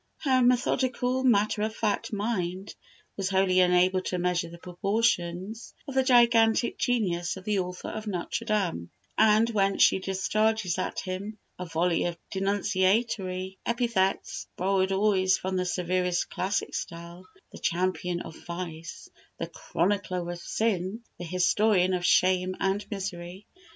Her methodical, matter of fact mind was wholly unable to measure the proportions of the gigantic genius of the author of "Nôtre Dame," and hence she discharges at him a volley of denunciatory epithets, borrowed always from the severest classic style "the champion of vice," "the chronicler of sin," "the historian of shame and misery."